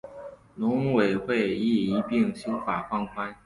农委会亦一并修法放宽